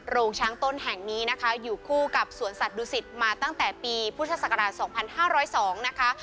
โรงช้างต้นแห่งนี้นะคะอยู่คู่กับสวนสัตว์ดุสิตมาตั้งแต่ปีพศ๒๕๐๒นะคะ